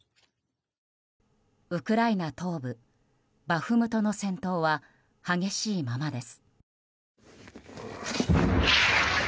ウクライナ東部バフムトの戦闘は激しいままです。